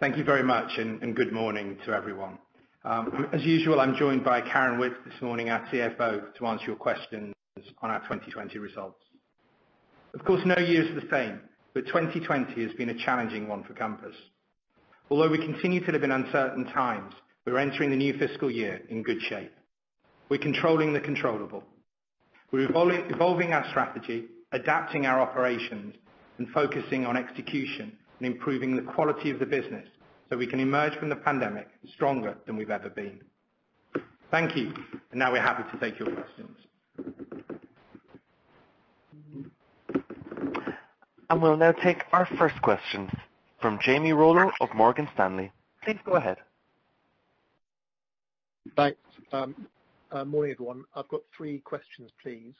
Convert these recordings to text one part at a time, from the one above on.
Thank you very much, and good morning to everyone. As usual, I'm joined by Karen Witts this morning, our CFO, to answer your questions on our 2020 results. Of course, no year is the same, but 2020 has been a challenging one for Compass. Although we continue to live in uncertain times, we're entering the new fiscal year in good shape. We're controlling the controllable. We're evolving our strategy, adapting our operations, and focusing on execution and improving the quality of the business so we can emerge from the pandemic stronger than we've ever been. Thank you. Now we're happy to take your questions. We'll now take our first question from Jamie Rollo of Morgan Stanley. Please go ahead. Thanks. Morning, everyone. I've got three questions, please.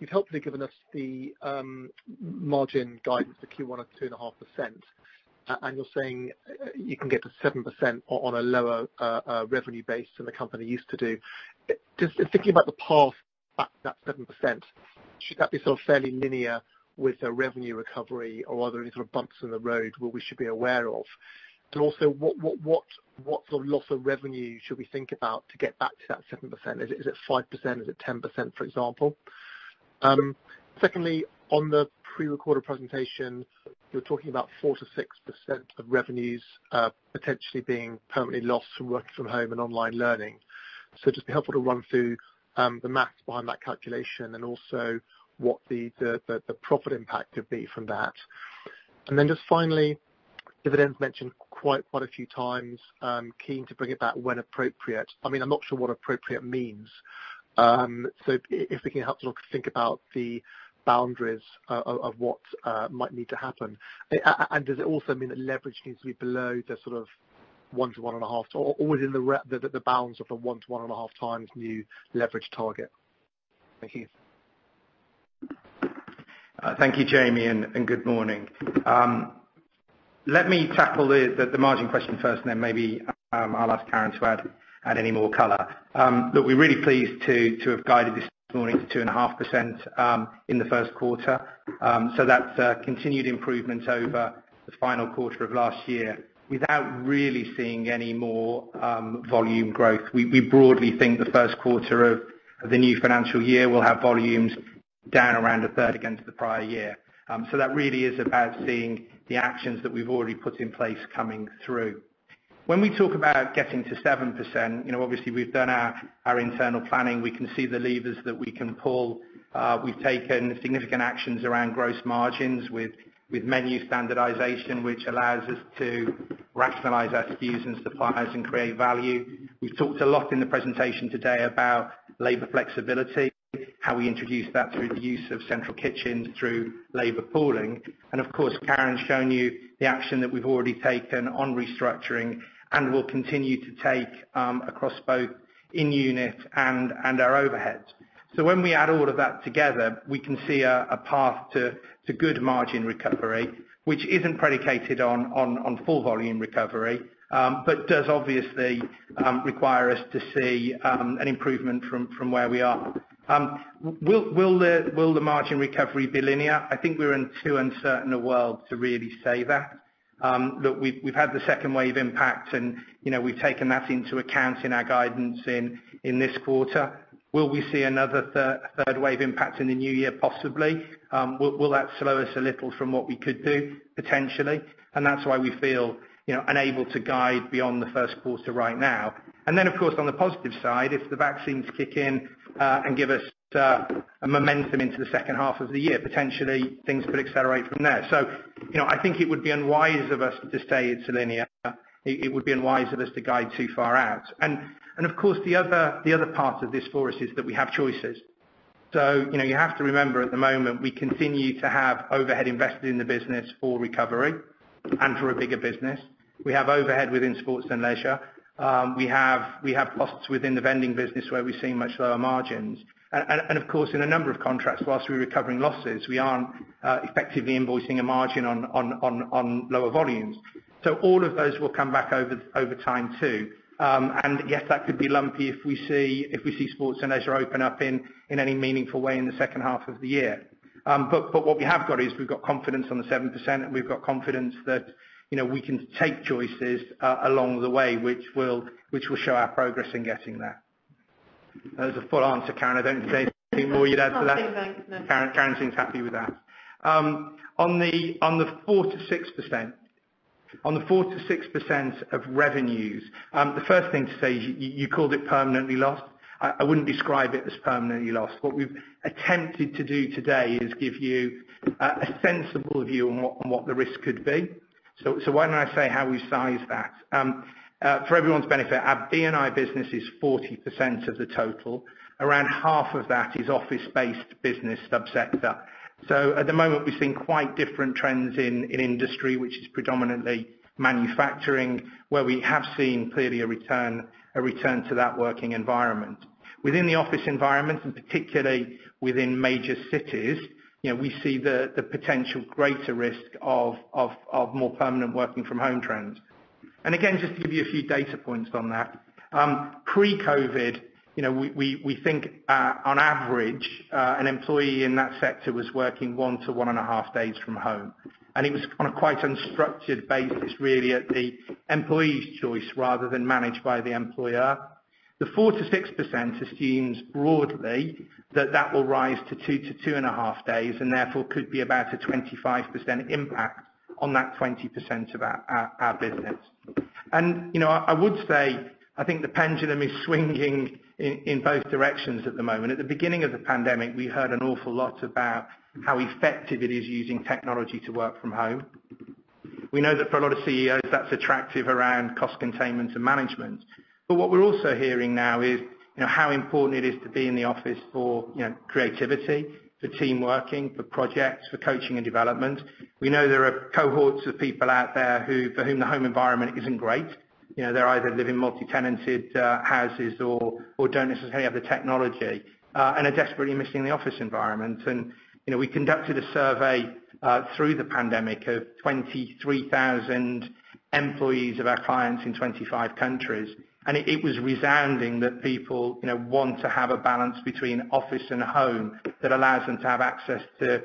You've helpfully given us the margin guidance for Q1 of 2.5%, and you're saying you can get to 7% on a lower revenue base than the company used to do. Just thinking about the path back to that 7%, should that be sort of fairly linear with the revenue recovery or are there any sort of bumps in the road where we should be aware of? What sort of loss of revenue should we think about to get back to that 7%? Is it 5%? Is it 10%, for example? Secondly, on the prerecorded presentation, you were talking about 4%-6% of revenues potentially being permanently lost from working from home and online learning. It'd just be helpful to run through the math behind that calculation and also what the profit impact would be from that. Just finally, dividend's mentioned quite a few times, keen to bring it back when appropriate. I'm not sure what appropriate means. If we can help to think about the boundaries of what might need to happen. Does it also mean that leverage needs to be below the sort of 1-1.5, or within the bounds of the 1-1.5 times new leverage target? Thank you. Thank you, Jamie, and good morning. Let me tackle the margin question first and then maybe I'll ask Karen to add any more color. Look, we're really pleased to have guided this morning to 2.5% in the first quarter. That's a continued improvement over the final quarter of last year without really seeing any more volume growth. We broadly think the first quarter of the new financial year will have volumes down around a third against the prior year. That really is about seeing the actions that we've already put in place coming through. When we talk about getting to 7%, obviously we've done our internal planning. We can see the levers that we can pull. We've taken significant actions around gross margins with menu standardization, which allows us to rationalize our SKUs and suppliers and create value. We've talked a lot in the presentation today about labor flexibility, how we introduce that through the use of central kitchen through labor pooling, and of course, Karen's shown you the action that we've already taken on restructuring and will continue to take across both in unit and our overheads. When we add all of that together, we can see a path to good margin recovery, which isn't predicated on full volume recovery, but does obviously require us to see an improvement from where we are. Will the margin recovery be linear? I think we're in too uncertain a world to really say that. Look, we've had the second wave impact, and we've taken that into account in our guidance in this quarter. Will we see another third wave impact in the new year? Possibly. Will that slow us a little from what we could do? Potentially. That's why we feel unable to guide beyond the first quarter right now. Of course, on the positive side, if the vaccines kick in and give us a momentum into the second half of the year, potentially things could accelerate from there. I think it would be unwise of us to say it's linear. It would be unwise of us to guide too far out. Of course, the other part of this for us is that we have choices. You have to remember at the moment we continue to have overhead invested in the business for recovery and for a bigger business. We have overhead within sports and leisure. We have costs within the vending business where we're seeing much lower margins. Of course, in a number of contracts, whilst we're recovering losses, we aren't effectively invoicing a margin on lower volumes. All of those will come back over time, too. Yes, that could be lumpy if we see sports and leisure open up in any meaningful way in the second half of the year. What we have got is we've got confidence on the 7% and we've got confidence that we can take choices along the way which will show our progress in getting there. That was a full answer, Karen, I don't think there's anything more you'd add to that? Nothing. No. Karen seems happy with that. On the 4%-6% of revenues, the first thing to say is you called it permanently lost. I wouldn't describe it as permanently lost. What we've attempted to do today is give you a sensible view on what the risk could be. Why don't I say how we size that? For everyone's benefit, our B&I business is 40% of the total. Around half of that is office-based business subsector. At the moment, we're seeing quite different trends in industry, which is predominantly manufacturing, where we have seen clearly a return to that working environment. Within the office environment, and particularly within major cities, we see the potential greater risk of more permanent working from home trends. Again, just to give you a few data points on that. Pre-COVID, we think on average, an employee in that sector was working one to one and a half days from home, and it was on a quite unstructured basis, really at the employee's choice rather than managed by the employer. The 4%-6% assumes broadly that that will rise to two to two and a half days, and therefore could be about a 25% impact on that 20% of our business. I would say, I think the pendulum is swinging in both directions at the moment. At the beginning of the pandemic, we heard an awful lot about how effective it is using technology to work from home. We know that for a lot of CEOs, that's attractive around cost containment and management. What we're also hearing now is how important it is to be in the office for creativity, for team working, for projects, for coaching and development. We know there are cohorts of people out there for whom the home environment isn't great. They either live in multi-tenanted houses or don't necessarily have the technology, and are desperately missing the office environment. We conducted a survey, through the pandemic of 23,000 employees of our clients in 25 countries, and it was resounding that people want to have a balance between office and home that allows them to have access to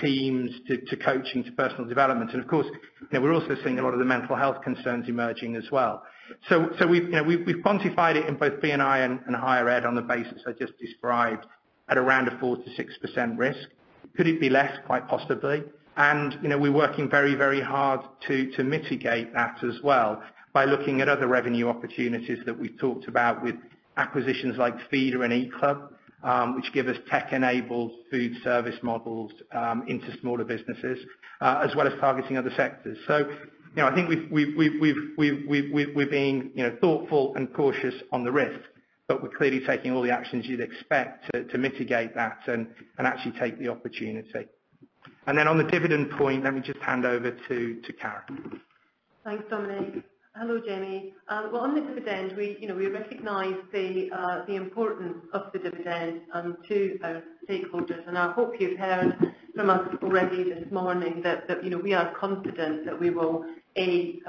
teams, to coaching, to personal development. Of course, we're also seeing a lot of the mental health concerns emerging as well. We've quantified it in both B&I and higher ed on the basis I just described at around a 4%-6% risk. Could it be less? We're working very hard to mitigate that as well by looking at other revenue opportunities that we've talked about with acquisitions like Feedr or an EAT Club, which give us tech-enabled food service models into smaller businesses, as well as targeting other sectors. I think we've been thoughtful and cautious on the risk, but we're clearly taking all the actions you'd expect to mitigate that and actually take the opportunity. Then on the dividend point, let me just hand over to Karen. Thanks, Dominic. Hello, Jamie. Well, on the dividend, we recognize the importance of the dividend to our stakeholders, and I hope you've heard from us already this morning that we are confident that we will, A,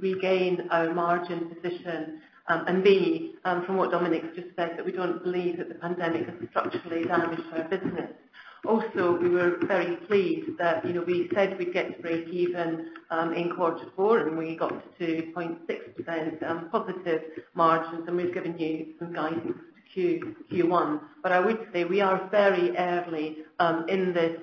regain our margin position, and B, from what Dominic just said, that we don't believe that the pandemic has structurally damaged our business. We were very pleased that we said we'd get to breakeven, in Q4, and we got to 2.6%+ margins, and we've given you some guidance for Q1. I would say we are very early in this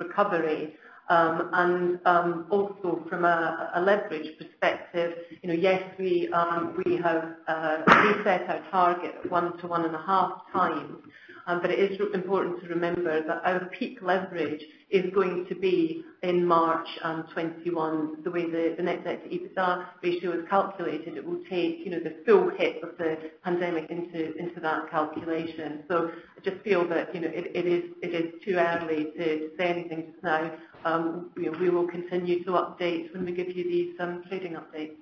recovery. From a leverage perspective, yes, we have reset our target one to one and a half times. It is important to remember that our peak leverage is going to be in March 2021. The way the net debt to EBITDA ratio is calculated, it will take the full hit of the pandemic into that calculation. I just feel that it is too early to say anything just now. We will continue to update when we give you these trading updates.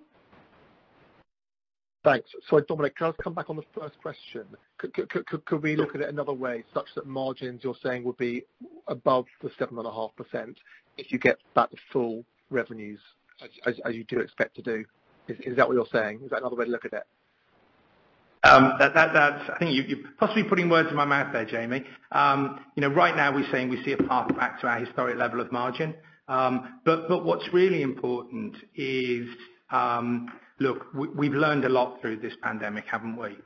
Thanks. Sorry, Dominic, can I just come back on the first question? Could we look at it another way such that margins, you're saying, would be above the 7.5% if you get back to full revenues as you do expect to do? Is that what you're saying? Is that another way to look at it? I think you're possibly putting words in my mouth there, Jamie. Now we're saying we see a path back to our historic level of margin. What's really important is, look, we've learned a lot through this pandemic, haven't we?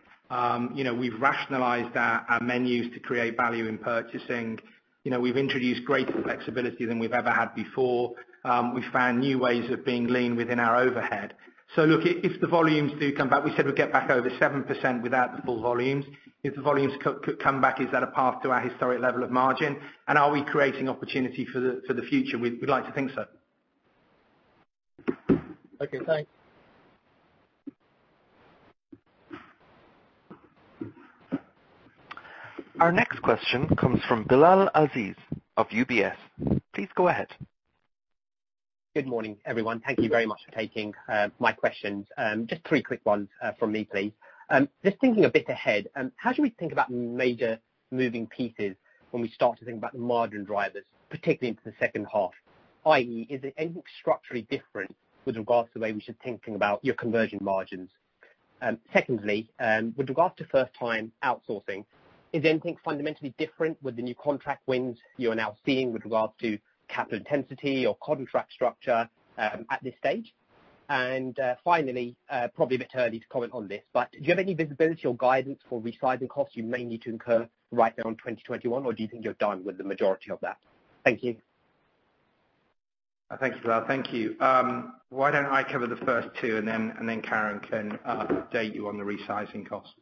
We've rationalized our menus to create value in purchasing. We've introduced greater flexibility than we've ever had before. We found new ways of being lean within our overhead. Look, if the volumes do come back, we said we'd get back over 7% without the full volumes. If the volumes could come back, is that a path to our historic level of margin? Are we creating opportunity for the future? We'd like to think so. Okay, thanks. Our next question comes from Bilal Aziz of UBS. Please go ahead. Good morning, everyone. Thank you very much for taking my questions. Just three quick ones from me, please. Just thinking a bit ahead, how should we think about major moving pieces when we start to think about the margin drivers, particularly into the second half, i.e., is there anything structurally different with regards to the way we should think about your conversion margins? Secondly, with regard to first time outsourcing, is anything fundamentally different with the new contract wins you are now seeing with regards to capital intensity or contract structure at this stage? Finally, probably a bit early to comment on this, but do you have any visibility or guidance for resizing costs you may need to incur right there on 2021, or do you think you're done with the majority of that? Thank you. Thank you, Bilal. Thank you. Why don't I cover the first two and then Karen can update you on the resizing costs.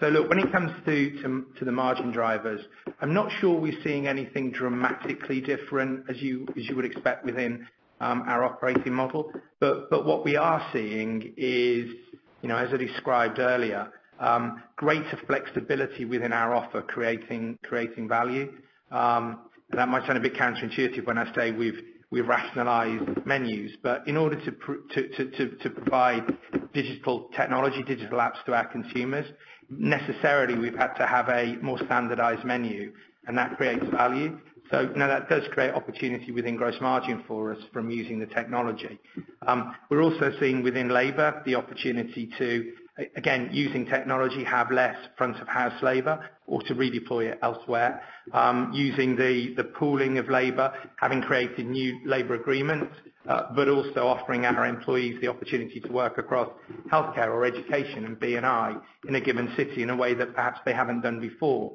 Look, when it comes to the margin drivers, I'm not sure we're seeing anything dramatically different as you would expect within our operating model. What we are seeing is, as I described earlier, greater flexibility within our offer, creating value. That might sound a bit counterintuitive when I say we've rationalized menus, but in order to provide digital technology, digital apps to our consumers, necessarily, we've had to have a more standardized menu, and that creates value. Now that does create opportunity within gross margin for us from using the technology. We're also seeing within labor the opportunity to, again, using technology, have less front-of-house labor or to redeploy it elsewhere, using the pooling of labor, having created new labor agreements, but also offering our employees the opportunity to work across healthcare or education and B&I in a given city in a way that perhaps they haven't done before.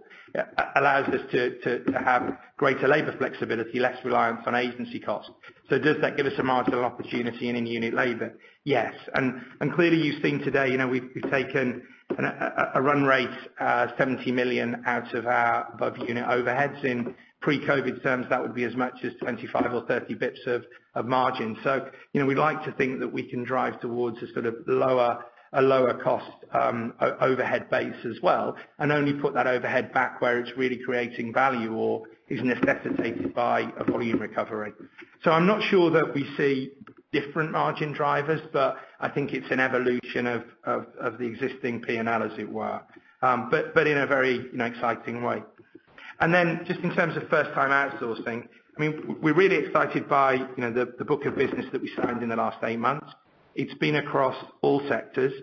Allows us to have greater labor flexibility, less reliance on agency cost. Does that give us a marginal opportunity in unit labor? Yes. Clearly, you've seen today, we've taken a run rate, 70 million out of our above unit overheads. In pre-COVID terms, that would be as much as 25 or 30 bits of margin. We'd like to think that we can drive towards a sort of a lower cost overhead base as well, and only put that overhead back where it's really creating value or is necessitated by a volume recovery. I'm not sure that we see different margin drivers, but I think it's an evolution of the existing P&L, as it were, but in a very exciting way. Just in terms of first time outsourcing, we're really excited by the book of business that we signed in the last eight months. It's been across all sectors.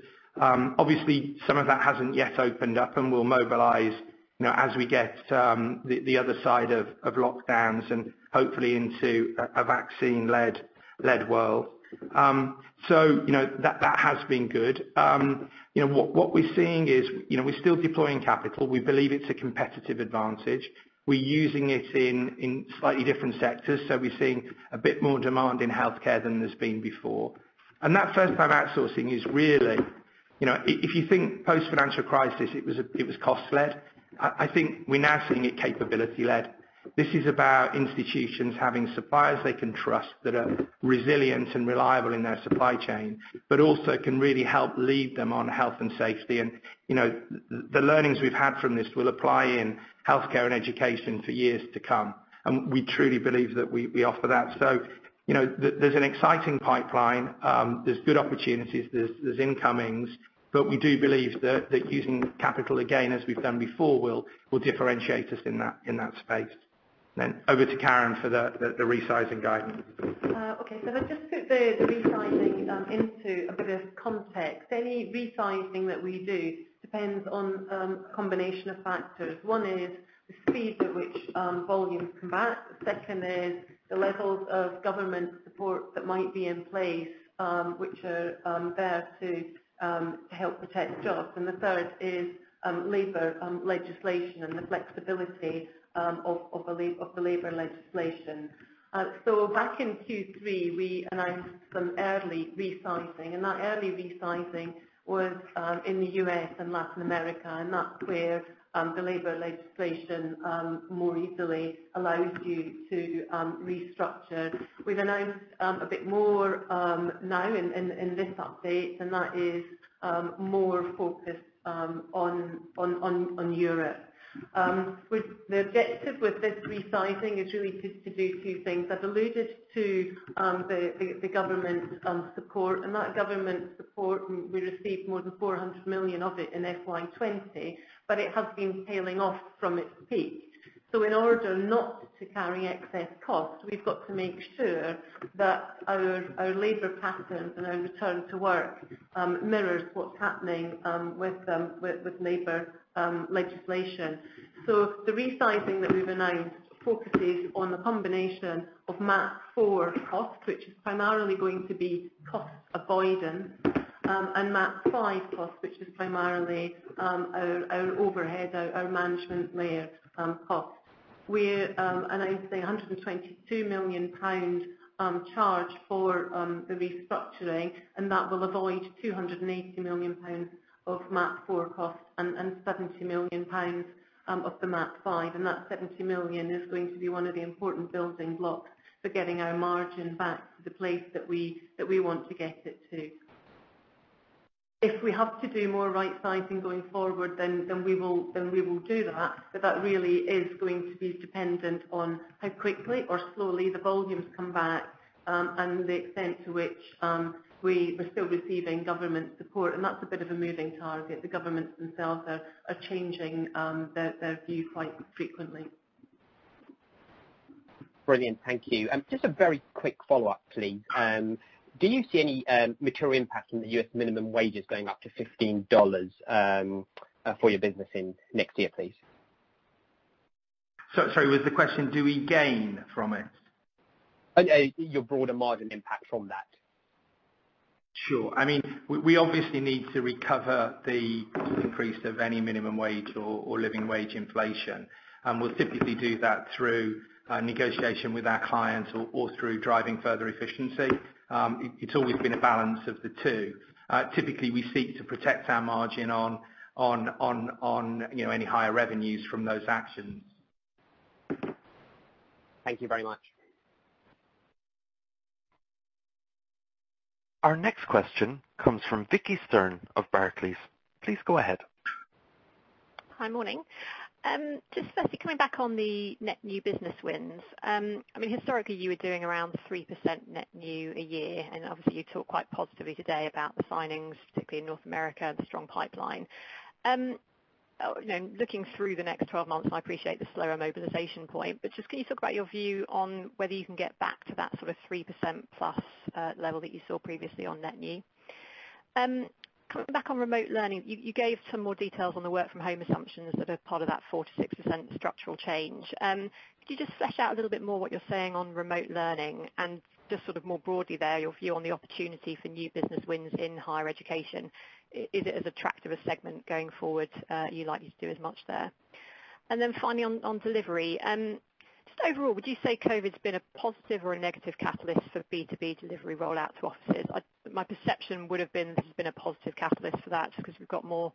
Obviously, some of that hasn't yet opened up and will mobilize as we get the other side of lockdowns and hopefully into a vaccine-led world. That has been good. What we're seeing is, we're still deploying capital. We believe it's a competitive advantage. We're using it in slightly different sectors, so we're seeing a bit more demand in healthcare than there's been before. That first-time outsourcing is really If you think post-financial crisis, it was cost-led. I think we're now seeing it capability-led. This is about institutions having suppliers they can trust that are resilient and reliable in their supply chain, but also can really help lead them on health and safety. The learnings we've had from this will apply in healthcare and education for years to come, and we truly believe that we offer that. There's an exciting pipeline. There's good opportunities, there's incomings, but we do believe that using capital, again, as we've done before, will differentiate us in that space. Over to Karen for the resizing guidance. Let's just put the resizing into a bit of context. Any resizing that we do depends on combination of factors. One is the speed at which volumes come back. The second is the levels of government support that might be in place, which are there to help protect jobs. The third is labor legislation and the flexibility of the labor legislation. Back in Q3, we announced some early resizing, and that early resizing was in the U.S. and Latin America, and that's where the labor legislation more easily allows you to restructure. We've announced a bit more now in this update, and that is more focused on Europe. The objective with this resizing is really to do two things. I've alluded to the government support, and that government support, we received more than 400 million of it in FY 2020, but it has been tailing off from its peak. In order not to carry excess costs, we've got to make sure that our labor patterns and our return to work mirrors what's happening with labor legislation. The resizing that we've announced focuses on the combination of MAP 4 costs, which is primarily going to be cost avoidance, and MAP 5 costs, which is primarily our overhead, our management layer costs. We're announcing a 122 million pound charge for the restructuring, and that will avoid 280 million pounds of MAP 4 costs and 70 million pounds of the MAP 5. That 70 million is going to be one of the important building blocks for getting our margin back to the place that we want to get it to. If we have to do more right-sizing going forward, then we will do that. That really is going to be dependent on how quickly or slowly the volumes come back, and the extent to which we're still receiving government support. That's a bit of a moving target. The governments themselves are changing their view quite frequently. Brilliant. Thank you. Just a very quick follow-up, please. Do you see any material impact in the U.S. minimum wages going up to $15 for your business in next year, please? Sorry, was the question, do we gain from it? Your broader margin impact from that. Sure. We obviously need to recover the increase of any minimum wage or living wage inflation. We'll typically do that through negotiation with our clients or through driving further efficiency. It's always been a balance of the two. Typically, we seek to protect our margin on any higher revenues from those actions. Thank you very much. Our next question comes from Vicki Stern of Barclays. Please go ahead. Hi, morning. Just firstly, coming back on the net new business wins. Historically, you were doing around 3% net new a year, and obviously you talk quite positively today about the signings, particularly in North America, the strong pipeline. Looking through the next 12 months, I appreciate the slower mobilization point, but just can you talk about your view on whether you can get back to that sort of 3%+ level that you saw previously on net new? Coming back on remote learning, you gave some more details on the work from home assumptions that are part of that 4%-6% structural change. Could you just flesh out a little bit more what you're saying on remote learning and just more broadly there, your view on the opportunity for new business wins in higher education. Is it as attractive a segment going forward, are you likely to do as much there? Then finally, on delivery. Just overall, would you say COVID's been a positive or a negative catalyst for B2B delivery rollout to offices? My perception would've been this has been a positive catalyst for that because we've got more,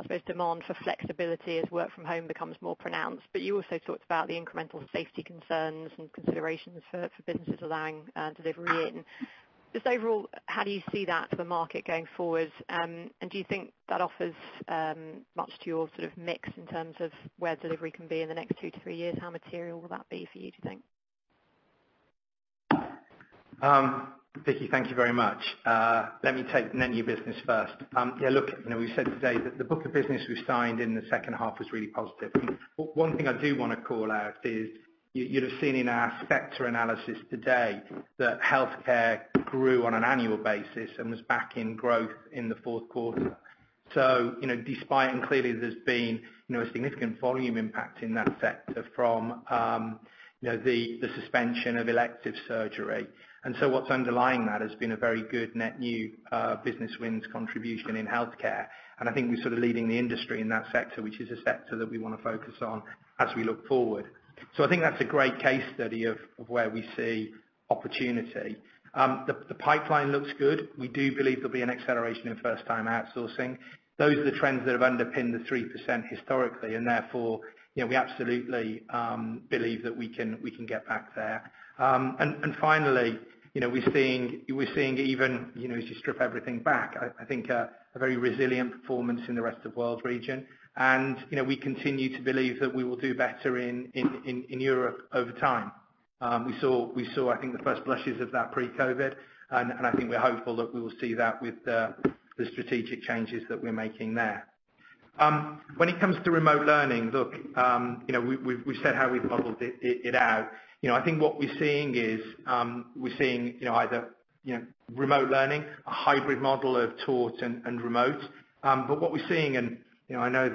I suppose, demand for flexibility as work from home becomes more pronounced. You also talked about the incremental safety concerns and considerations for businesses allowing delivery in. Just overall, how do you see that for the market going forward? Do you think that offers much to your sort of mix in terms of where delivery can be in the next two to three years? How material will that be for you, do you think? Vicki, thank you very much. Let me take net new business first. Yeah, look, we said today that the book of business we signed in the second half was really positive. One thing I do want to call out is you'd have seen in our sector analysis today that healthcare grew on an annual basis and was back in growth in the fourth quarter. Despite, clearly there's been a significant volume impact in that sector from the suspension of elective surgery. What's underlying that has been a very good net new business wins contribution in healthcare. I think we're sort of leading the industry in that sector, which is a sector that we want to focus on as we look forward. I think that's a great case study of where we see opportunity. The pipeline looks good. We do believe there'll be an acceleration in first time outsourcing. Those are the trends that have underpinned the 3% historically, and therefore, we absolutely believe that we can get back there. Finally, we're seeing even as you strip everything back, I think a very resilient performance in the rest of world region. We continue to believe that we will do better in Europe over time. We saw, I think, the first blushes of that pre-COVID, and I think we're hopeful that we will see that with the strategic changes that we're making there. When it comes to remote learning, look, we've said how we've modeled it out. I think what we're seeing is, we're seeing either remote learning, a hybrid model of taught and remote. What we're seeing, and I know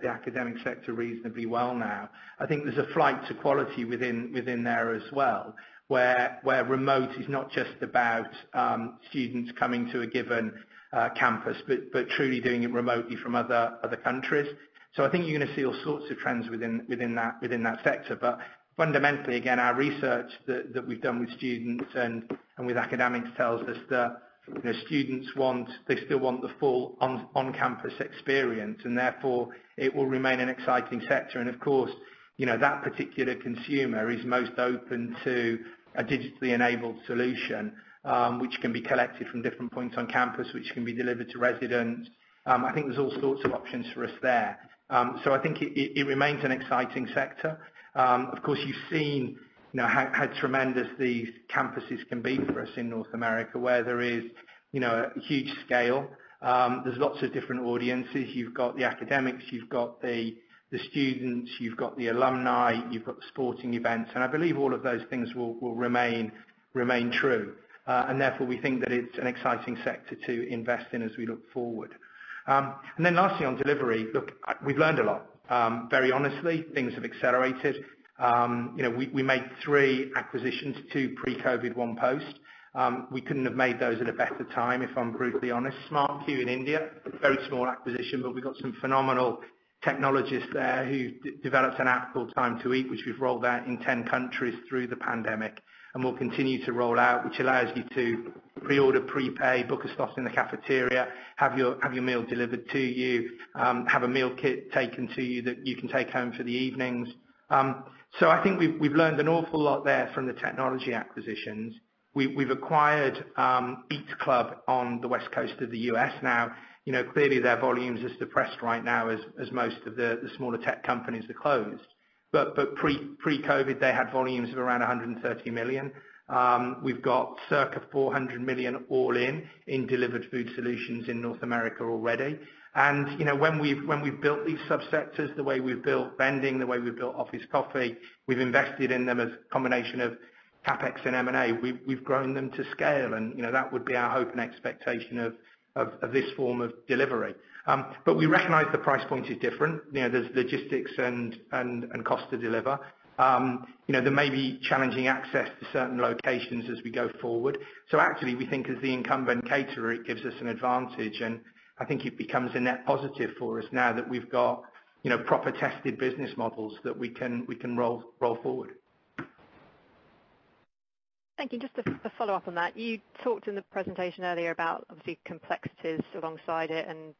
the academic sector reasonably well now, I think there's a flight to quality within there as well, where remote is not just about students coming to a given campus, but truly doing it remotely from other countries. I think you're going to see all sorts of trends within that sector. Fundamentally, again, our research that we've done with students and with academics tells us that students, they still want the full on-campus experience, and therefore it will remain an exciting sector. Of course, that particular consumer is most open to a digitally enabled solution, which can be collected from different points on campus, which can be delivered to residents. I think there's all sorts of options for us there. I think it remains an exciting sector. Of course, you've seen how tremendous these campuses can be for us in North America, where there is a huge scale. There's lots of different audiences. You've got the academics, you've got the students, you've got the alumni, you've got the sporting events, I believe all of those things will remain true. Therefore, we think that it's an exciting sector to invest in as we look forward. Lastly, on delivery. Look, we've learned a lot. Very honestly, things have accelerated. We made three acquisitions, two pre-COVID, one post. We couldn't have made those at a better time, if I'm brutally honest. SmartQ in India, very small acquisition, but we got some phenomenal technologists there who developed an app called Time2Eat, which we've rolled out in 10 countries through the pandemic and will continue to roll out, which allows you to pre-order, prepay, book a spot in the cafeteria, have your meal delivered to you, have a meal kit taken to you that you can take home for the evenings. I think we've learned an awful lot there from the technology acquisitions. We've acquired EAT Club on the West Coast of the U.S. now. Clearly their volumes as depressed right now as most of the smaller tech companies are closed. Pre-COVID, they had volumes of around 130 million. We've got circa 400 million all in delivered food solutions in North America already. When we've built these sub-sectors, the way we've built vending, the way we've built office coffee, we've invested in them as a combination of CapEx and M&A. We've grown them to scale, and that would be our hope and expectation of this form of delivery. We recognize the price point is different. There's logistics and cost to deliver. There may be challenging access to certain locations as we go forward. Actually, we think as the incumbent caterer, it gives us an advantage, and I think it becomes a net positive for us now that we've got proper tested business models that we can roll forward. Thank you. Just a follow-up on that. You talked in the presentation earlier about obviously complexities alongside it, and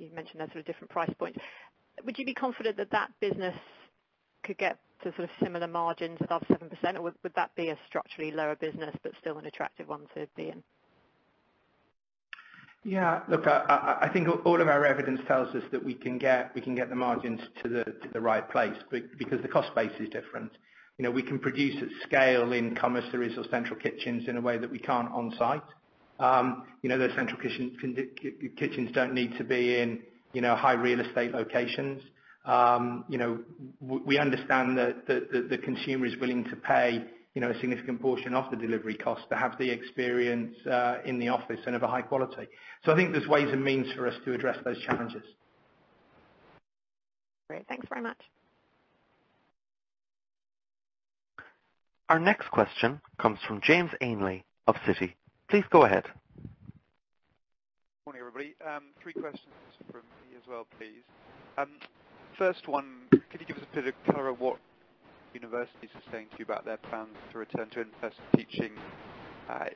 you've mentioned there sort of different price points. Would you be confident that that business could get to sort of similar margins above 7%, or would that be a structurally lower business but still an attractive one to be in? Yeah. Look, I think all of our evidence tells us that we can get the margins to the right place, because the cost base is different. We can produce at scale in commissaries or central kitchens in a way that we can't on-site. Those central kitchens don't need to be in high real estate locations. We understand that the consumer is willing to pay a significant portion of the delivery cost to have the experience in the office and of a high quality. I think there's ways and means for us to address those challenges. Great. Thanks very much. Our next question comes from James Ainley of Citi. Please go ahead. Morning, everybody. Three questions from me as well, please. First one, could you give us a bit of color what universities are saying to you about their plans to return to in-person teaching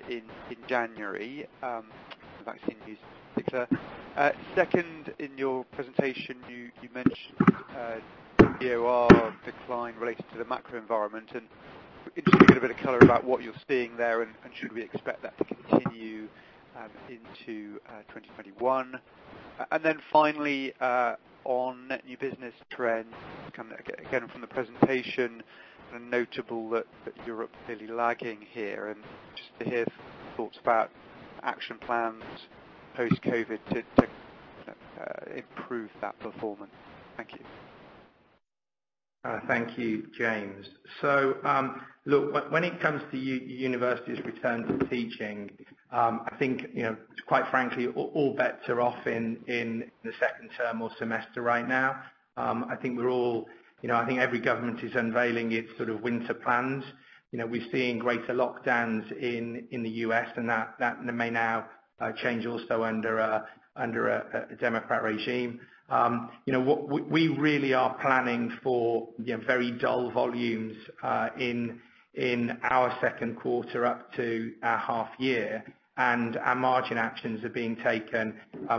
in January, the vaccine in particular? Second, in your presentation you mentioned DOR decline related to the macro environment, just to get a bit of color about what you're seeing there and should we expect that to continue into 2021? Finally, on net new business trends, again, from the presentation, notable that Europe clearly lagging here, just to hear thoughts about action plans post-COVID to improve that performance. Thank you. Thank you, James. Look, when it comes to universities return to teaching, I think, quite frankly, all bets are off in the second term or semester right now. I think every government is unveiling its winter plans. We're seeing greater lockdowns in the U.S. and that may now change also under a Democrat regime. We really are planning for very dull volumes in our second quarter up to our half year, and our margin actions are being taken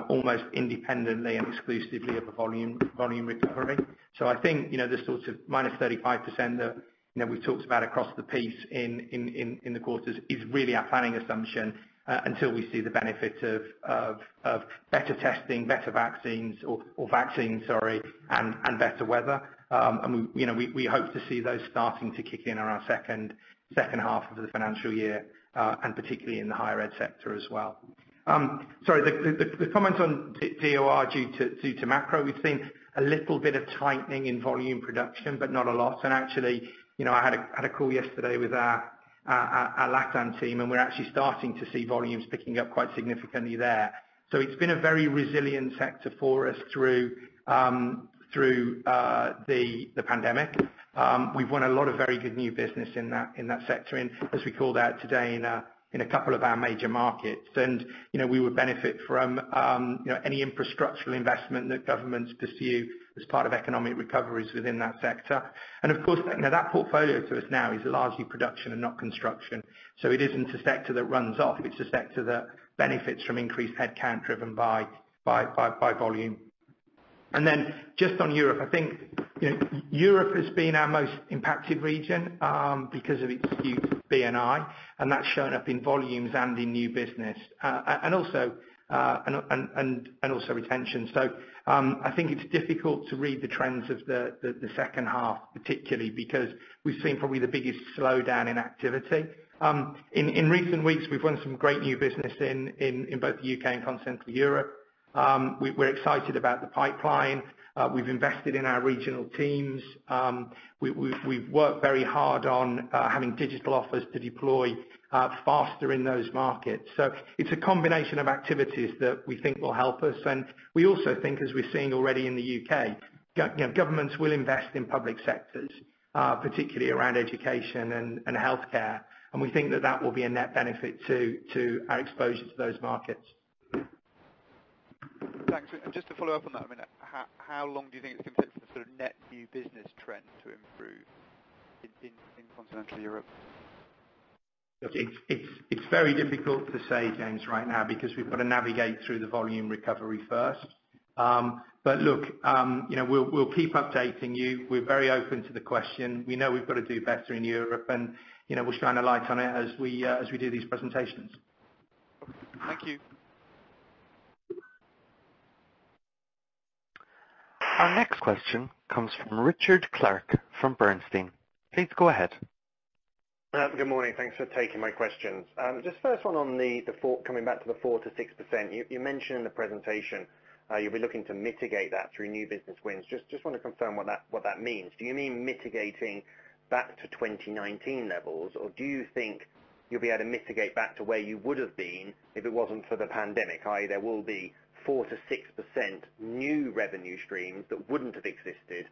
almost independently and exclusively of a volume recovery. I think, the sorts of -35% that we've talked about across the piece in the quarters is really our planning assumption until we see the benefit of better testing, better vaccines or vaccines, sorry, and better weather. We hope to see those starting to kick in on our second half of the financial year, and particularly in the higher ed sector as well. Sorry, the comment on DOR due to macro, we've seen a little bit of tightening in volume production, but not a lot. Actually, I had a call yesterday with our LATAM team, and we're actually starting to see volumes picking up quite significantly there. It's been a very resilient sector for us through the pandemic. We've won a lot of very good new business in that sector, and as we called out today in a couple of our major markets, and we would benefit from any infrastructural investment that governments pursue as part of economic recoveries within that sector. Of course, now that portfolio to us now is largely production and not construction. It isn't a sector that runs off, it's a sector that benefits from increased headcount driven by volume. Just on Europe, I think Europe has been our most impacted region, because of its huge B&I, and that's shown up in volumes and in new business, and also retention. I think it's difficult to read the trends of the second half, particularly because we've seen probably the biggest slowdown in activity. In recent weeks, we've won some great new business in both the U.K. and Continental Europe. We're excited about the pipeline. We've invested in our regional teams. We've worked very hard on having digital offers to deploy faster in those markets. It's a combination of activities that we think will help us, and we also think, as we're seeing already in the U.K., governments will invest in public sectors, particularly around education and healthcare, and we think that that will be a net benefit to our exposure to those markets. Thanks. Just to follow up on that, how long do you think it's going to take for net new business trends to improve in Continental Europe? Look, it's very difficult to say, James, right now, because we've got to navigate through the volume recovery first. Look, we'll keep updating you. We're very open to the question. We know we've got to do better in Europe, we'll shine a light on it as we do these presentations. Thank you. Our next question comes from Richard Clarke from Bernstein. Please go ahead. Good morning. Thanks for taking my questions. First one on the coming back to the 4%-6%. You mentioned in the presentation, you'll be looking to mitigate that through new business wins. Want to confirm what that means. Do you mean mitigating back to 2019 levels? Do you think you'll be able to mitigate back to where you would've been if it wasn't for the pandemic, i.e., there will be 4%-6% new revenue streams that wouldn't have existed,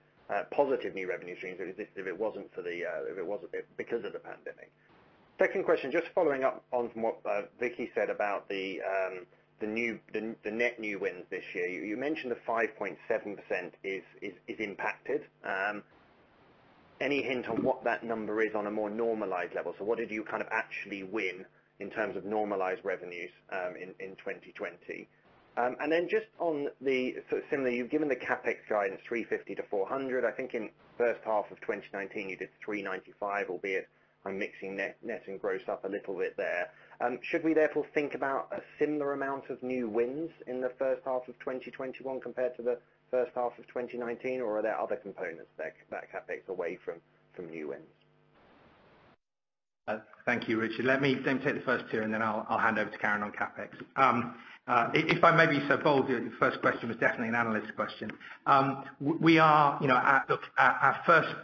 positive new revenue streams that exist if it wasn't because of the pandemic? Second question, following up on from what Vicki said about the net new wins this year. You mentioned the 5.7% is impacted. Any hint on what that number is on a more normalized level? What did you actually win in terms of normalized revenues in 2020? Just on the similarly, you've given the CapEx guidance, 350-400. I think in first half of 2019, you did 395, albeit, I'm mixing net and gross up a little bit there. Should we therefore think about a similar amount of new wins in the first half of 2021 compared to the first half of 2019, or are there other components there that CapEx away from new wins? Thank you, Richard. Let me take the first two, and then I'll hand over to Karen on CapEx. If I may be so bold, your first question was definitely an analyst question. Our first,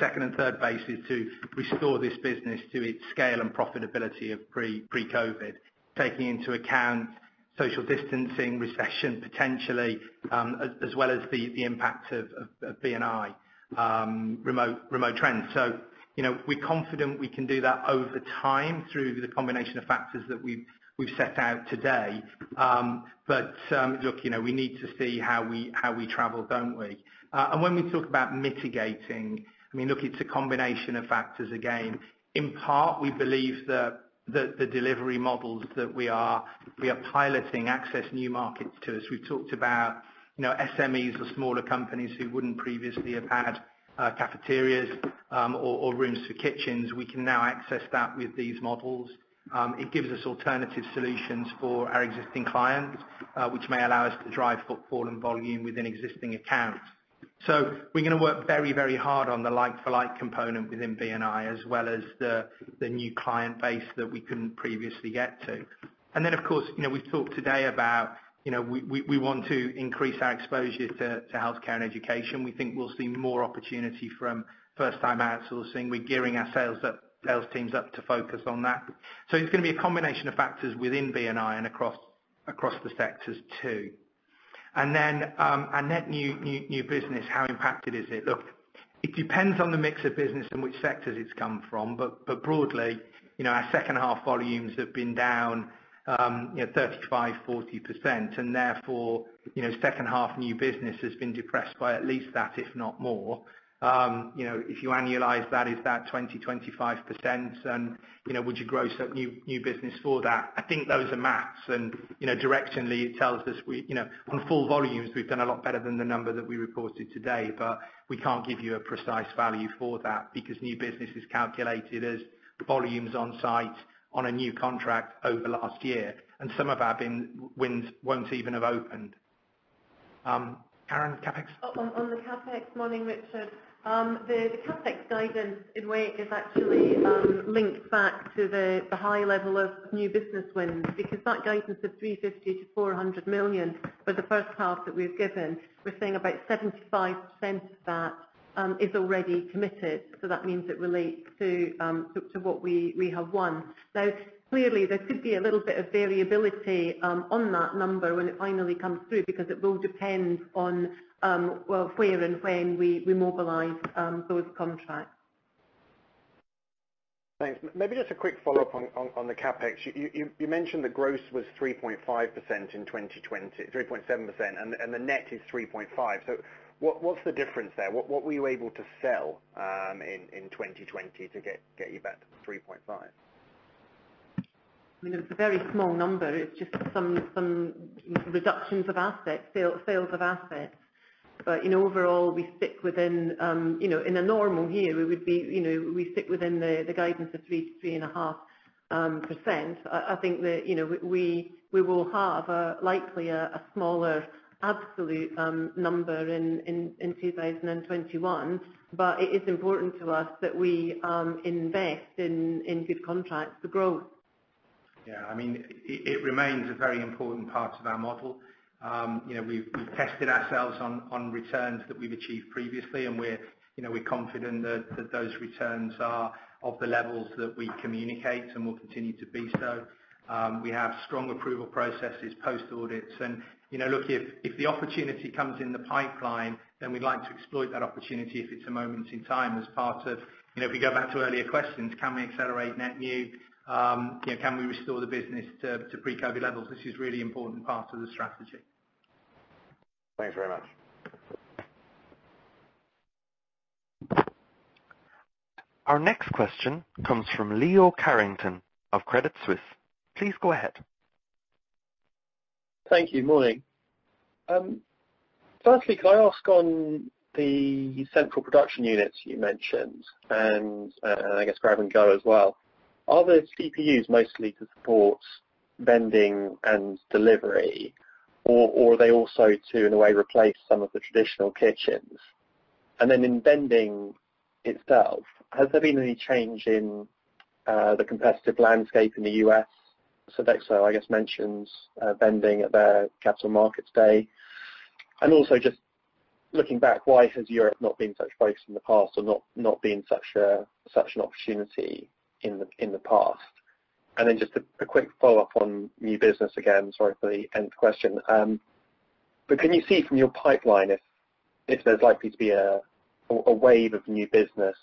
second, and third base is to restore this business to its scale and profitability of pre-COVID, taking into account social distancing, recession, potentially, as well as the impact of B&I remote trends. We're confident we can do that over time through the combination of factors that we've set out today. Look, we need to see how we travel, don't we? When we talk about mitigating, look, it's a combination of factors, again. In part, we believe the delivery models that we are piloting access new markets to us. We've talked about SMEs or smaller companies who wouldn't previously have had cafeterias or rooms for kitchens. We can now access that with these models. It gives us alternative solutions for our existing clients, which may allow us to drive footfall and volume within existing accounts. We're going to work very hard on the like for like component within B&I as well as the new client base that we couldn't previously get to. Of course, we've talked today about we want to increase our exposure to healthcare and education. We think we'll see more opportunity from first time outsourcing. We're gearing our sales teams up to focus on that. It's going to be a combination of factors within B&I and across the sectors too. Net new business, how impacted is it? Look, it depends on the mix of business and which sectors it's come from, but broadly, our second half volumes have been down 35%-40%, and therefore, second half new business has been depressed by at least that, if not more. If you annualize that, is that 20%-25% and would you gross up new business for that? I think those are maths and directionally, it tells us on full volumes, we've done a lot better than the number that we reported today, but we can't give you a precise value for that because new business is calculated as volumes on site on a new contract over last year, and some of our wins won't even have opened. Karen, CapEx. On the CapEx, morning, Richard. The CapEx guidance in a way is actually linked back to the high level of new business wins because that guidance of 350 million-400 million for the first half that we've given, we're saying about 75% of that is already committed. That means it relates to what we have won. Clearly, there could be a little bit of variability on that number when it finally comes through because it will depend on where and when we mobilize those contracts. Thanks. Maybe just a quick follow-up on the CapEx. You mentioned the gross was 3.7%, and the net is 3.5%. What's the difference there? What were you able to sell in 2020 to get you back to 3.5%? It's a very small number. It's just some reductions of assets, sales of assets. In overall, we sit within a normal year, we sit within the guidance of 3%-3.5%. I think that we will have likely a smaller absolute number in 2021, but it is important to us that we invest in good contracts for growth. Yeah. It remains a very important part of our model. We've tested ourselves on returns that we've achieved previously, and we're confident that those returns are of the levels that we communicate and will continue to be so. We have strong approval processes, post-audits. Look, if the opportunity comes in the pipeline, then we'd like to exploit that opportunity if it's a moment in time. If we go back to earlier questions, can we accelerate net new? Can we restore the business to pre-COVID levels? This is really important part of the strategy. Thanks very much. Our next question comes from Leo Carrington of Credit Suisse. Please go ahead. Thank you. Morning. Firstly, can I ask on the central production units you mentioned and I guess Grab & Go as well. Are the CPUs mostly to support vending and delivery, or are they also to, in a way, replace some of the traditional kitchens? In vending itself, has there been any change in the competitive landscape in the U.S.? Sodexo, I guess, mentions vending at their capital markets day. Just looking back, why has Europe not been such a place in the past or not been such an opportunity in the past? Just a quick follow-up on new business again, sorry for the end question. Can you see from your pipeline if there's likely to be a wave of new business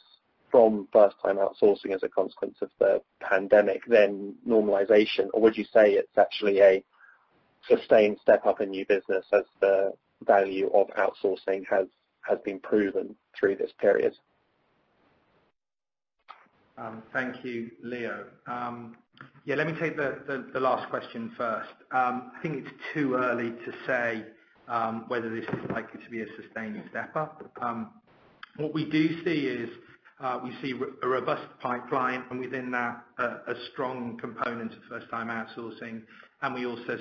from first time outsourcing as a consequence of the pandemic, then normalization? Would you say it's actually a sustained step up in new business as the value of outsourcing has been proven through this period? Thank you, Leo. Yeah, let me take the last question first. I think it's too early to say whether this is likely to be a sustained step up. What we do see is, we see a robust pipeline and within that, a strong component of first time outsourcing. We also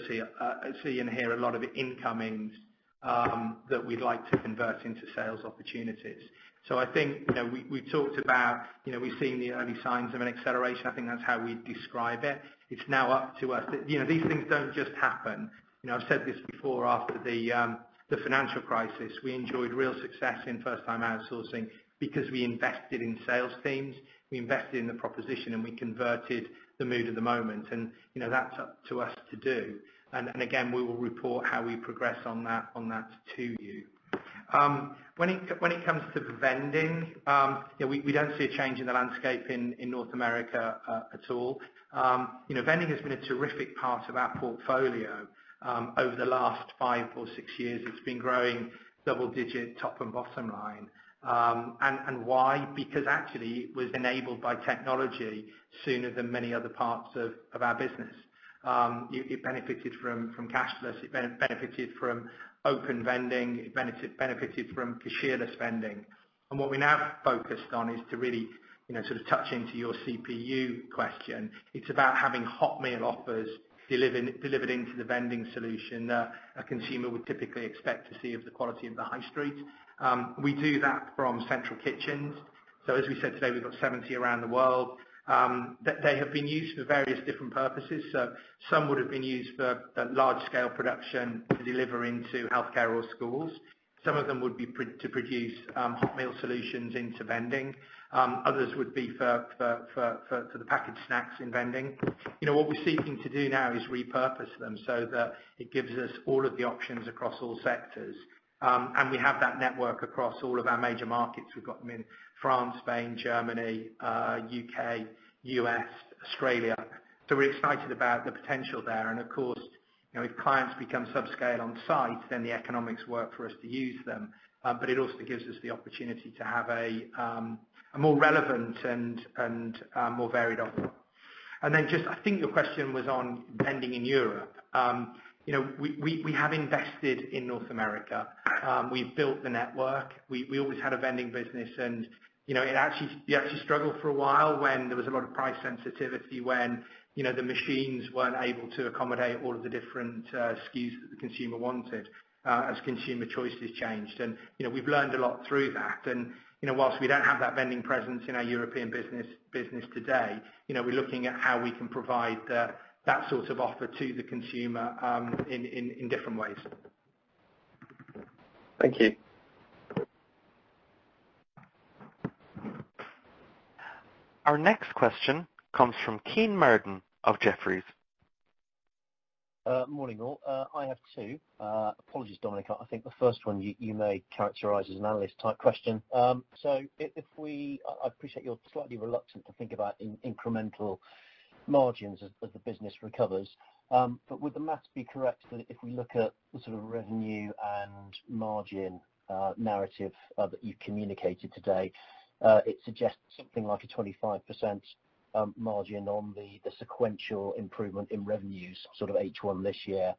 see and hear a lot of incomings that we'd like to convert into sales opportunities. I think, we talked about, we've seen the early signs of an acceleration. I think that's how we'd describe it. It's now up to us. These things don't just happen. I've said this before, after the financial crisis, we enjoyed real success in first time outsourcing because we invested in sales teams, we invested in the proposition, and we converted the mood of the moment. That's up to us to do. Again, we will report how we progress on that to you. When it comes to vending, we don't see a change in the landscape in North America at all. Vending has been a terrific part of our portfolio. Over the last five or six years, it's been growing double digit top and bottom line. Why? Because actually, it was enabled by technology sooner than many other parts of our business. It benefited from cashless, it benefited from open vending, it benefited from cashierless vending. What we're now focused on is to really touch into your CPU question. It's about having hot meal offers delivered into the vending solution that a consumer would typically expect to see of the quality of the high street. We do that from central kitchens. As we said today, we've got 70 around the world. They have been used for various different purposes. Some would have been used for large scale production to deliver into healthcare or schools. Some of them would be to produce hot meal solutions into vending. Others would be for the packaged snacks in vending. What we're seeking to do now is repurpose them so that it gives us all of the options across all sectors. We have that network across all of our major markets. We've got them in France, Spain, Germany, U.K., U.S., Australia. We're excited about the potential there. Of course, if clients become sub-scale on site, then the economics work for us to use them. It also gives us the opportunity to have a more relevant and more varied offer. Then just, I think your question was on vending in Europe. We have invested in North America. We've built the network. We always had a vending business, and you actually struggled for a while when there was a lot of price sensitivity when the machines weren't able to accommodate all of the different SKUs that the consumer wanted, as consumer choices changed. We've learned a lot through that. Whilst we don't have that vending presence in our European business today, we're looking at how we can provide that sort of offer to the consumer in different ways. Thank you. Our next question comes from Kean Marden of Jefferies. Morning, all. I have two. Apologies, Dominic, I think the first one you may characterize as an analyst type question. I appreciate you're slightly reluctant to think about incremental margins as the business recovers. Would the math be correct that if we look at the sort of revenue and margin narrative that you've communicated today, it suggests something like a 25% margin on the sequential improvement in revenues, sort of H1 this year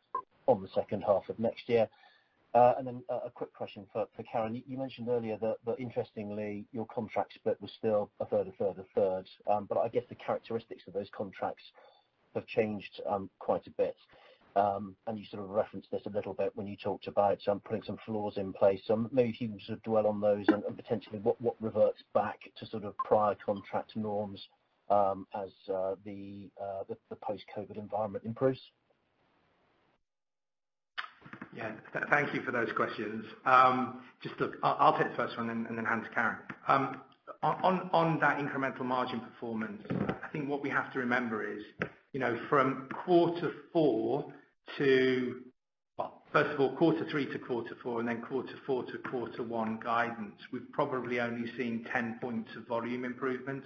on the second half of next year? A quick question for Karen. You mentioned earlier that interestingly, your contracts bit was still a third, a third, a third. I guess the characteristics of those contracts have changed quite a bit. You sort of referenced this a little bit when you talked about putting some floors in place. Maybe if you could sort of dwell on those and potentially what reverts back to sort of prior contract norms, as the post-COVID environment improves. Thank you for those questions. I'll take the first one and then hand to Karen. On that incremental margin performance, I think what we have to remember is, from quarter four to first of all, quarter three to quarter four, and then quarter four to quarter one guidance, we've probably only seen 10 points of volume improvement.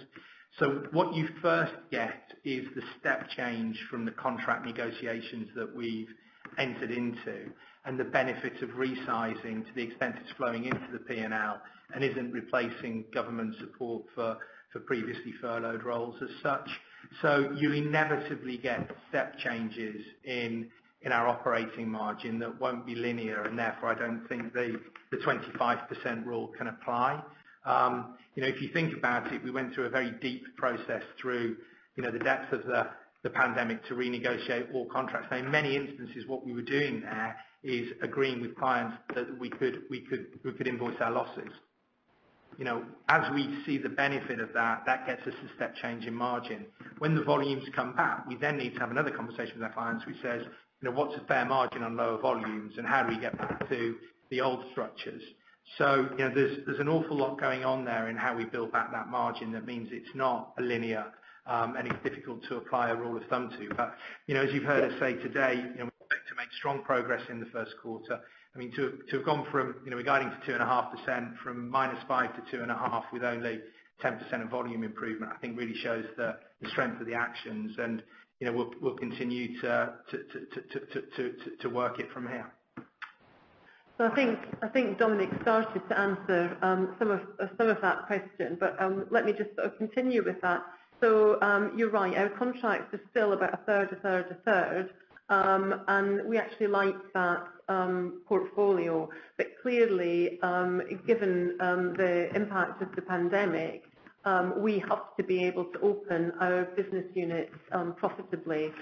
What you first get is the step change from the contract negotiations that we've entered into and the benefit of resizing to the expense that's flowing into the P&L and isn't replacing government support for previously furloughed roles as such. You inevitably get step changes in our operating margin that won't be linear, and therefore I don't think the 25% rule can apply. If you think about it, we went through a very deep process through the depths of the pandemic to renegotiate all contracts. In many instances what we were doing there is agreeing with clients that we could invoice our losses. As we see the benefit of that gets us a step change in margin. When the volumes come back, we then need to have another conversation with our clients which says, what's a fair margin on lower volumes, and how do we get back to the old structures? There's an awful lot going on there in how we build back that margin that means it's not a linear, and it's difficult to apply a rule of thumb to. As you've heard us say today, we expect to make strong progress in the first quarter. I mean, to have gone from guiding to 2.5% from -5% to 2.5% with only 10% of volume improvement, I think really shows the strength of the actions. We'll continue to work it from here. I think Dominic started to answer some of that question, but let me just continue with that. You're right, our contracts are still about a third, a third, a third. We actually like that portfolio. Clearly, given the impact of the pandemic, we have to be able to open our business units profitably.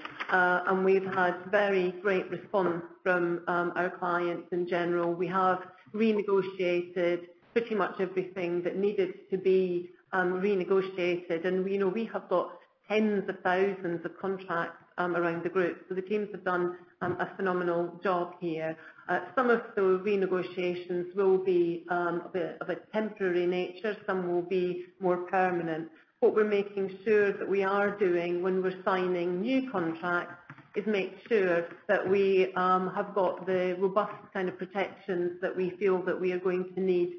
We've had very great response from our clients in general. We have renegotiated pretty much everything that needed to be renegotiated. We have got tens of thousands of contracts around the group. The teams have done a phenomenal job here. Some of those renegotiations will be of a temporary nature, some will be more permanent. What we're making sure that we are doing when we're signing new contracts is make sure that we have got the robust protections that we feel that we are going to need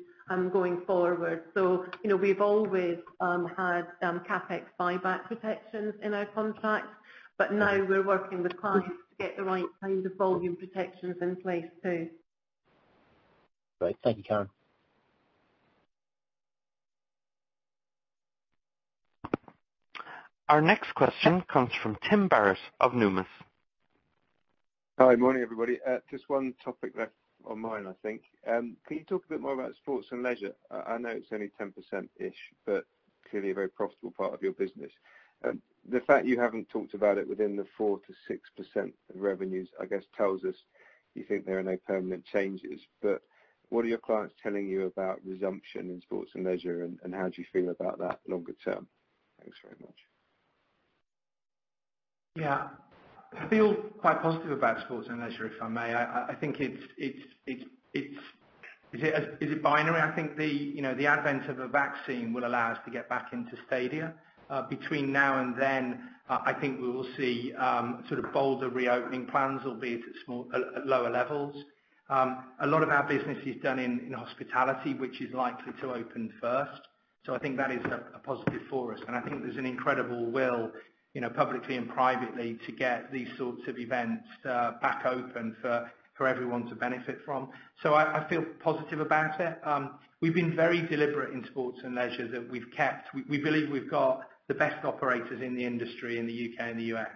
going forward. We've always had CapEx buyback protections in our contracts, but now we're working with clients to get the right kind of volume protections in place too. Great. Thank you, Karen. Our next question comes from Tim Barrett of Numis. Hi, morning, everybody. Just one topic left on mine, I think. Can you talk a bit more about sports and leisure? I know it's only 10%-ish, but clearly a very profitable part of your business. The fact you haven't talked about it within the 4%-6% revenues, I guess, tells us you think there are no permanent changes. What are your clients telling you about resumption in sports and leisure, and how do you feel about that longer term? Thanks very much. I feel quite positive about sports and leisure, if I may. Is it binary? I think the advent of a vaccine will allow us to get back into stadia. Between now and then, I think we will see bolder reopening plans, albeit at lower levels. A lot of our business is done in hospitality, which is likely to open first. I think that is a positive for us. I think there's an incredible will, publicly and privately, to get these sorts of events back open for everyone to benefit from. I feel positive about it. We've been very deliberate in sports and leisure that we believe we've got the best operators in the industry in the U.K. and the U.S.,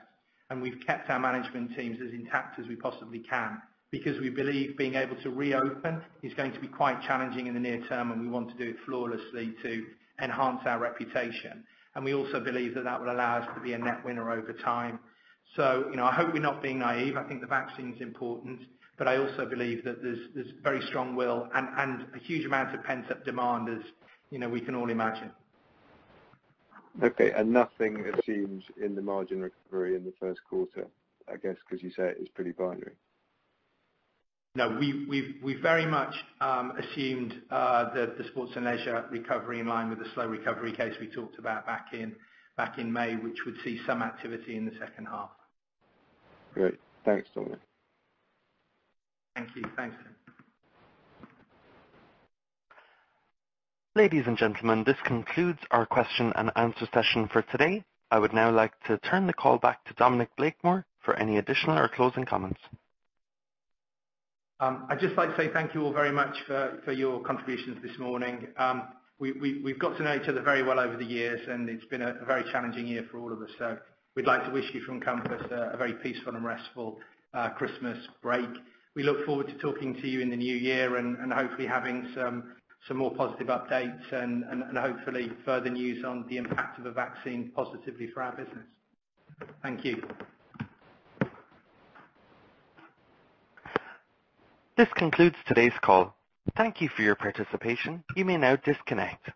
and we've kept our management teams as intact as we possibly can, because we believe being able to reopen is going to be quite challenging in the near term, and we want to do it flawlessly to enhance our reputation. We also believe that that will allow us to be a net winner over time. I hope we're not being naive. I think the vaccine is important, but I also believe that there's very strong will and a huge amount of pent-up demand, as we can all imagine. Okay. Nothing assumes in the margin recovery in the first quarter, I guess, because you say it is pretty binary. No, we very much assumed the sports and leisure recovery in line with the slow recovery case we talked about back in May, which would see some activity in the second half. Great. Thanks, Dominic. Thank you. Thanks. Ladies and gentlemen, this concludes our question and answer session for today. I would now like to turn the call back to Dominic Blakemore for any additional or closing comments. I'd just like to say thank you all very much for your contributions this morning. We've got to know each other very well over the years, and it's been a very challenging year for all of us. We'd like to wish you from Compass, a very peaceful and restful Christmas break. We look forward to talking to you in the new year and hopefully having some more positive updates and hopefully further news on the impact of a vaccine positively for our business. Thank you. This concludes today's call. Thank you for your participation. You may now disconnect.